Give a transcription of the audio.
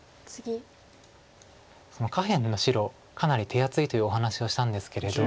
下辺の白かなり手厚いというお話をしたんですけれど。